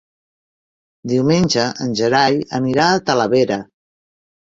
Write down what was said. Diumenge en Gerai anirà a Talavera.